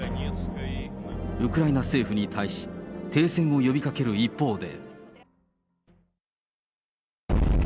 ウクライナ政府に対し、停戦を呼びかける一方で。